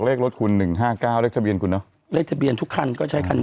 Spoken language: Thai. เลขรถคุณหนึ่งห้าเก้าเลขทะเบียนคุณเนอะเลขทะเบียนทุกคันก็ใช้คันหนึ่ง